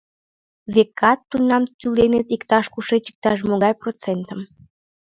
Векат, тунам тӱленыт иктаж-кушеч иктаж-могай процентым.